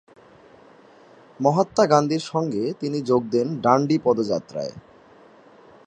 মহাত্মা গান্ধীর সঙ্গে তিনি যোগ দেন ডান্ডি পদযাত্রায়।